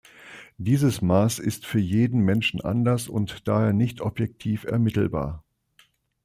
Dieses Maß ist für jeden Menschen anders und daher nicht objektiv ermittelbar.